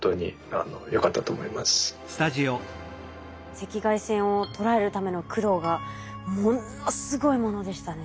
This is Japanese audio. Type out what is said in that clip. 赤外線を捉えるための苦労がものすごいものでしたね。